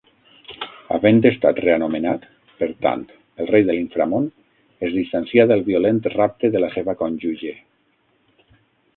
Havent estat reanomenat, per tant, el rei de l'inframón es distancia del violent rapte de la seva cònjuge.